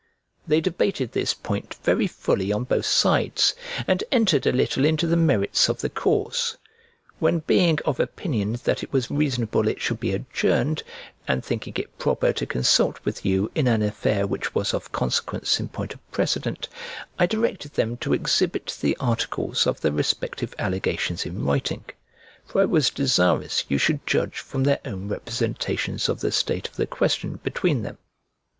They debated this point very fully on both sides, and entered a little into the merits of the cause; when being of opinion that it was reasonable it should be adjourned, and thinking it proper to consult with you in an affair which was of consequence in point of precedent, I directed them to exhibit the articles of their respective allegations in writing; for I was desirous you should judge from their own representations of the state of the question between them.